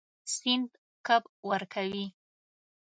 سیند کب ورکوي.